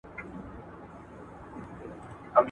علمي بحثونه د کلیسا او دولت ترمنځ شخړه را ولاړوي.